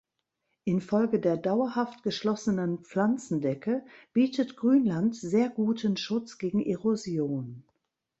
Infolge der dauerhaft geschlossenen Pflanzendecke bietet Grünland sehr guten Schutz gegen Erosion.